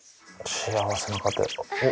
幸せな家庭。